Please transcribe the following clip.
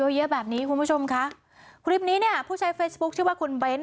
เยอะแบบนี้คุณผู้ชมค่ะคลิปนี้เนี่ยผู้ใช้เฟซบุ๊คชื่อว่าคุณเบ้น